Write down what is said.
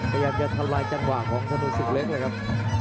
ก็ยังจะทำลายจังหว่าของธนูสุกเล็กเลยครับ